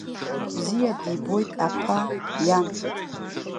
Бзиа дибоит аԥа иан.